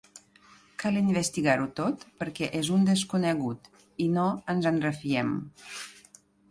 Cal investigar-ho tot perquè és un desconegut i no ens en refiem.